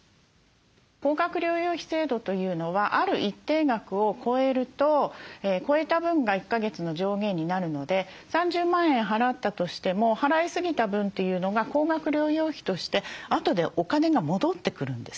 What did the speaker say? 高額療養費制度というのはある一定額を超えると超えた分が１か月の上限になるので３０万円払ったとしても払いすぎた分というのが高額療養費としてあとでお金が戻ってくるんです。